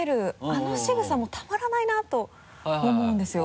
あのしぐさもたまらないなと思うんですよ。